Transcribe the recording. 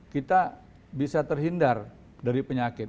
kita bisa terhindar dari penyakit